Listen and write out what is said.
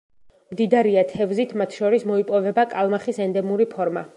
მდიდარია თევზით, მათ შორის მოიპოვება კალმახის ენდემური ფორმა.